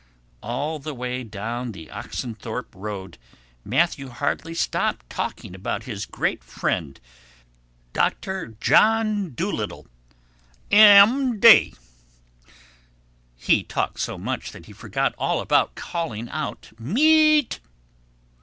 All the way down the Oxenthorpe Road Matthew hardly stopped talking about his great friend, Doctor John Dolittle—"M. D." He talked so much that he forgot all about calling out "Meat!"